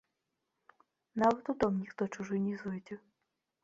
Нават у дом ніхто чужы не зойдзе.